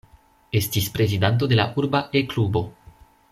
Estis prezidanto de la urba E-klubo.